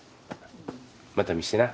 また見してな。